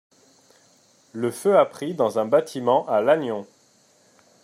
le feu a pris dans un bâtiment à Lannion.